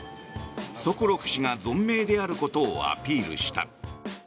ソコロフ氏が存命であることをアピールした。